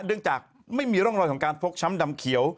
เนื่องจากไม่มีร่องรอยของการฟกช้ำดำเขียว